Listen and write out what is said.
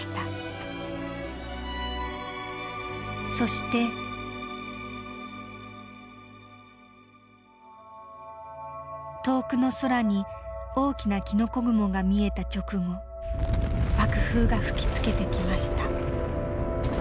そして遠くの空に大きなキノコ雲が見えた直後爆風が吹きつけてきました。